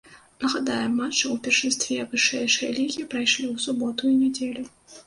Нагадаем, матчы ў першынстве вышэйшай лігі прайшлі ў суботу і нядзелю.